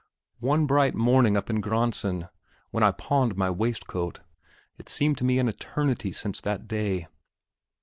One bright morning up in Graendsen, when I pawned my waistcoat. It seemed to me an eternity since that day.